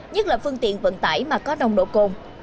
nhất là phương tiện vận tải mà có nồng độ cồn